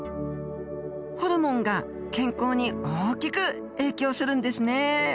ホルモンが健康に大きく影響するんですね。